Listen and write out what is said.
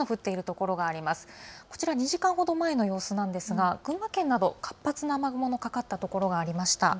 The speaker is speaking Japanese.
こちら、２時間ほど前の様子なんですが、群馬県など活発な雨雲、かかったところがありました。